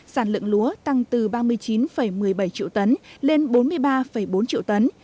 sản lượng lúa tăng từ ba mươi chín một mươi bảy triệu tấn lên bốn mươi ba bốn triệu tấn